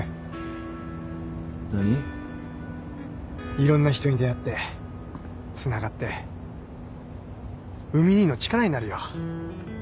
いろんな人に出会ってつながって海兄の力になるよ